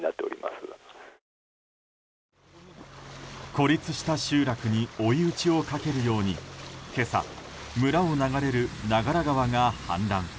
孤立した集落に追い打ちをかけるように今朝、村を流れる長柄川が氾濫。